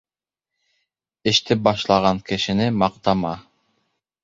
Эште башлаған кешене маҡтама